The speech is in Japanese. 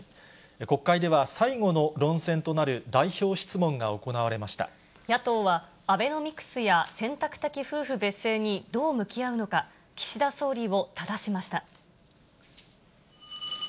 国会では、最後の論戦となる代表野党はアベノミクスや、選択的夫婦別姓にどう向き合うのか、岸田総理をただしました。